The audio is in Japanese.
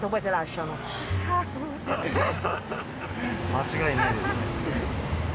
間違いないですね。